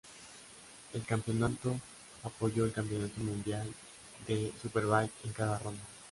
El campeonato apoyó el Campeonato Mundial de Superbike en cada ronda.